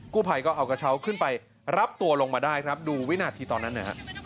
กู้ไพรก็เอากระเช้าขึ้นไปรับตัวลงมาได้ดูวินาทีตอนนั้น